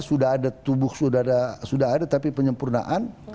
sudah ada tubuh sudah ada tapi penyempurnaan